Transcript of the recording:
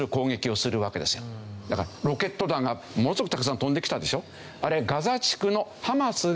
だからロケット弾がものすごくたくさん飛んできたでしょ。